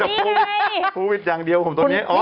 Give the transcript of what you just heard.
คูณผู้วิทอย่างเดียวชนตอนนี้